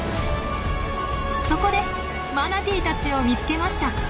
そこでマナティーたちを見つけました。